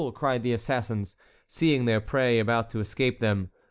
cried the assassins, seeing their prey about to escape them.